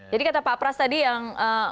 jadi kata pak pras tadi yang